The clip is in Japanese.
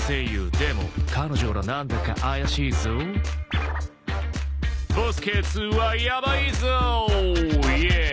「でも彼女らなんだか怪しいぞ？」「ボスＫー２はやばいぞイエーイ」